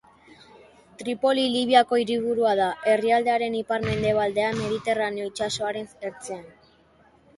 Tripoli Libiako hiriburua da, herrialdearen ipar-mendebaldean, Mediterraneo Itsasoaren ertzean.